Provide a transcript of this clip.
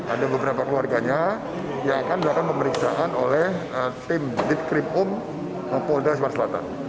ada beberapa keluarganya yang akan melakukan pemeriksaan oleh tim di kripum polda sumatera selatan